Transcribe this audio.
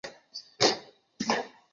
松日厄人口变化图示